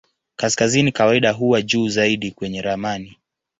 Kaskazini kawaida huwa juu zaidi kwenye ramani.